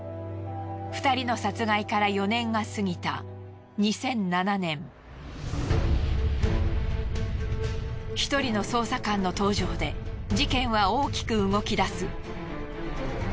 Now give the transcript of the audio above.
２人の殺害から４年が過ぎた１人の捜査官の登場で事件は大きく動き出す。